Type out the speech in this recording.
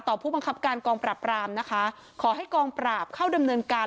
ผู้บังคับการกองปราบรามนะคะขอให้กองปราบเข้าดำเนินการ